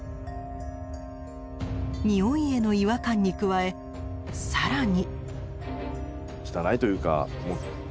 においへの違和感に加え更に。